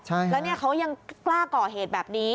แล้วเขายังกล้าก่อเหตุแบบนี้